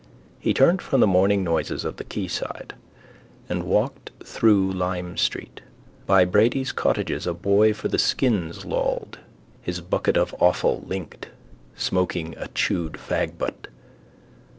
He turned from the morning noises of the quayside and walked through Lime street. By Brady's cottages a boy for the skins lolled, his bucket of offal linked, smoking a chewed fagbutt.